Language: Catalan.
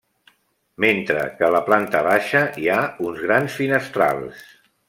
Mentre que a la planta baixa hi ha uns grans finestrals.